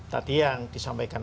tadi yang disampaikan